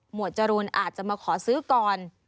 วดจรูนอาจจะมาขอซื้อก่อน